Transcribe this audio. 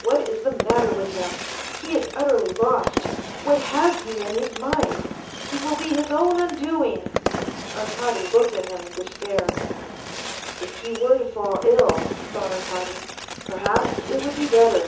What is the matter with him ? He is utterly lost. What has he in his mind ! He will be his own undoing." Arkady looked at him in despair. " If he were to fall ill," thought Arkady, " perhaps it would be better.